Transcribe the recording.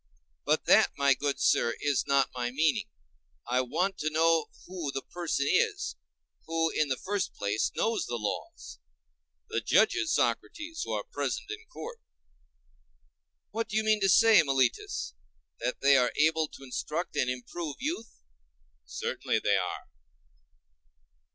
But that, my good sir, is not my meaning. I want to know who the person is, who, in the first place, knows the laws. The judges, Socrates, who are present in court. What do you mean to say, Meletus, that they are able to instruct and improve youth? Certainly they are.